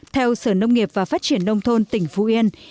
theo sở nông nghiệp và phát triển nông thôn tỉnh phú yên